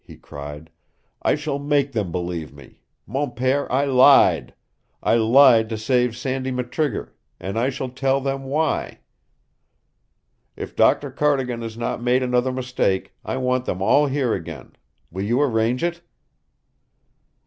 he cried. "I shall make them believe me! Mon pere, I lied! I lied to save Sandy McTrigger, and I shall tell them why. If Doctor Cardigan has not made another mistake, I want them all here again. Will you arrange it?"